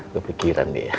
ke pikiran dia